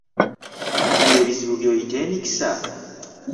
Gwe ebizibu by'oyita emikisa?